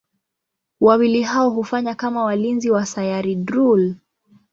Wawili hao hufanya kama walinzi wa Sayari Drool.